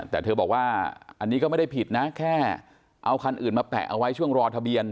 แต่เธอบอกว่าอันนี้ก็ไม่ได้ผิดนะแค่เอาคันอื่นมาแปะเอาไว้ช่วงรอทะเบียน